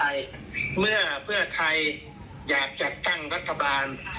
ไม่ใช่มาจากศักดิ์เพื่อไทยเมื่อเพื่อไทยอยากจะตั้งรัฐบาล